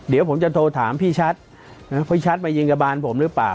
เดี๋ยวผมจะโทรถามพี่ชัสชัสบางเธอมายิงถ์กระบาลผมหรือเปล่า